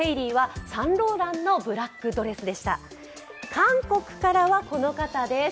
韓国からはこの方です。